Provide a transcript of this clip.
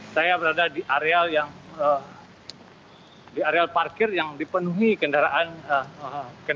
saya berada di areal parkir yang dipenuhi kendaraan asn